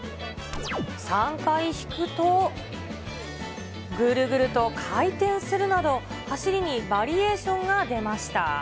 ３回引くとぐるぐると回転するなど、走りにバリエーションが出ました。